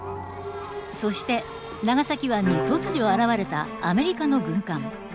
そして長崎湾に突如現れたアメリカの軍艦。